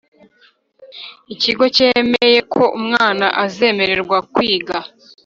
Ikigo cyemeye ko umwana azemererwa kwiga